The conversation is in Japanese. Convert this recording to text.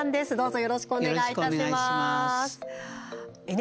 よろしくお願いします。